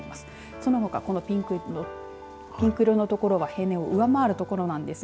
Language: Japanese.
そのほか、このピンク色の所は平年を上回る所なんですが。